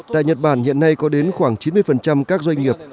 tại nhật bản hiện nay có đến khoảng chín mươi các doanh nghiệp